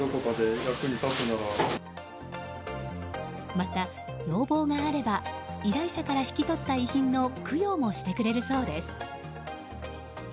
また、要望があれば依頼者から引き取った遺品の供養もしてくれるそうです。